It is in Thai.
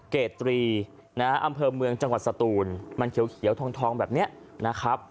เกตรีนะฮะอำเภอเมืองจังหวัดสตูนมันเขียวทองแบบนี้นะครับ